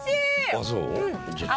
あっそう？